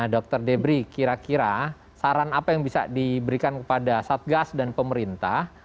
dr debri kira kira saran apa yang bisa diberikan kepada satgas dan pemerintah